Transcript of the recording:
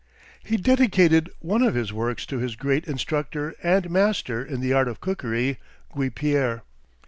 He dedicated one of his works to his great instructor and master in the art of cookery, Guipière.